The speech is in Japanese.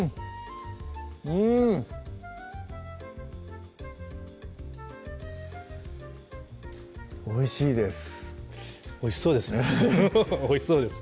うんおいしいですおいしそうですねフフフおいしそうです